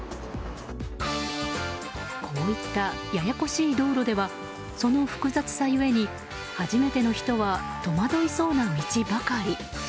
こういった、ややこしい道路ではその複雑さ故に初めての人は戸惑いそうな道ばかり。